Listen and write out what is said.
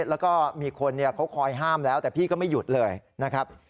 แล้วก็มีคนเขาคอยห้ามแล้วแต่พี่ก็ไม่หยุดเลยนะครับ